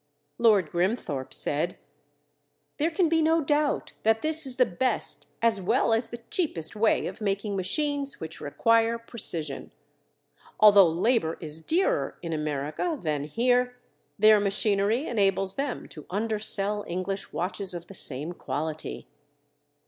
Lord Grimthorpe said: "There can be no doubt that this is the best as well as the cheapest way of making machines which require precision. Although labor is dearer in America than here, their machinery enables them to undersell English watches of the same quality."